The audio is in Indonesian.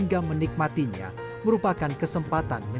nggak tahu jenisnya apa aja nggak tahu